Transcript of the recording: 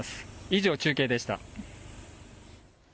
以上、中継でした。